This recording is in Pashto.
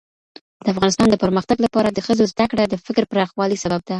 د افغانستان د پرمختګ لپاره د ښځو زدهکړه د فکر پراخوالي سبب ده.